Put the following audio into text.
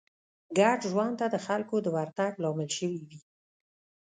ګډ ژوند ته د خلکو د ورتګ لامل شوې وي